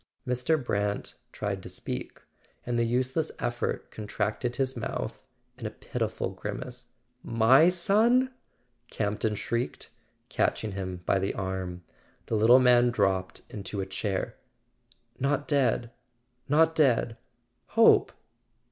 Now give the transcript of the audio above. Mr. Brant tried to speak, and the useless effort con¬ tracted his mouth in a pitiful grimace. "My son?" Campton shrieked, catching him by the arm. The little man dropped into a chair. [ 399 ] A SON AT THE FRONT "Not dead ... not dead. .. Hope